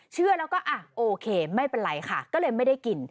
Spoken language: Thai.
เชื่อแล้วก็อ่ะโอเคไม่เป็นไรค่ะก็เลยไม่ได้กิน